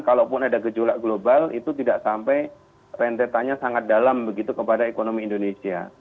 kalaupun ada gejolak global itu tidak sampai rentetannya sangat dalam begitu kepada ekonomi indonesia